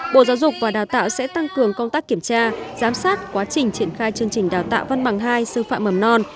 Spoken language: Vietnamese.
bộ giáo dục và đào tạo sẽ tăng cường công tác kiểm tra giám sát quá trình triển khai chương trình đào tạo văn bằng hai sư phạm mầm non